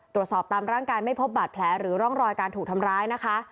ตามร่างกายไม่พบบาดแผลหรือร่องรอยการถูกทำร้ายนะคะ